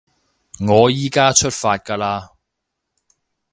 我依加出發㗎喇